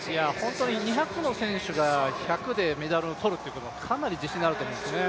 ２００の選手が１００でメダルを取るということはかなり自信になると思うんですよね。